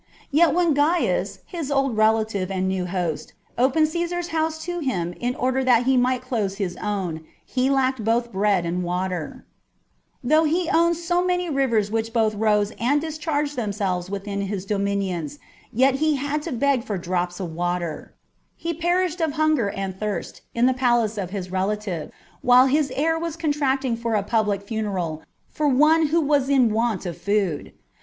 ^ Yet when Gains,'* his old relative and new host, opened Caesar's house to bim in order that he might close his own, he lacked both bread and water : though he owned so many rivers which both rose and discharged themselves within his dominions, yet he had to beg for drops of water : he perished of hunger and thirst in the palace of his rela tive, while his heir was contracting for a public funeral for one who was in want of food.